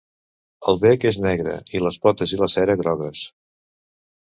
El bec és negre i les potes i la cera grogues.